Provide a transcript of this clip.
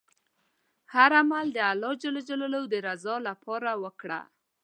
هر عمل د الله ﷻ د رضا لپاره وکړه.